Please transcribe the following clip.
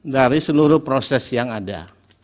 dari seluruh proses yang ada